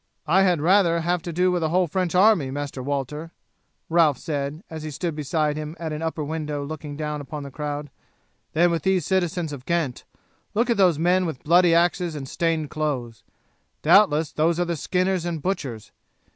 "I had rather have to do with a whole French army, Master Walter," Ralph said, as he stood beside him at an upper window looking down upon the crowd, "than with these citizens of Ghent. Look at those men with bloody axes and stained clothes. Doubtless those are the skinners and butchers.